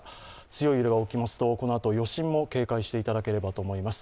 強い揺れが置きますとこのあと、余震も警戒していただければと思います。